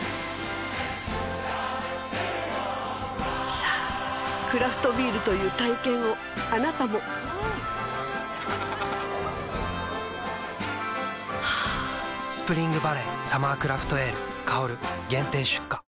さぁクラフトビールという体験をあなたも「スプリングバレーサマークラフトエール香」限定出荷